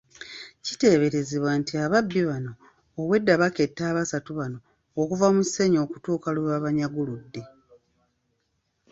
Kiteeberezebwa nti ababbi bano obwedda baketta abasatu bano okuva mu Kisenyi okutuuka lwe baabanyaguludde.